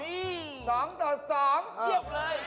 เยี่ยมเลย